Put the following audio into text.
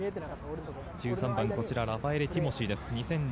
１３番、こちらラファエレ・ティモシーです。